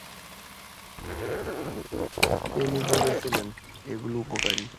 Penney বলেছিলেন, "এগুলো উপকারী।"